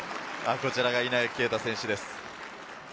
こちらが稲垣啓太選手です。